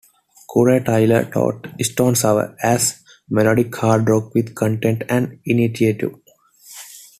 Corey Taylor touted "Stone Sour" as "melodic hard rock with content and initiative.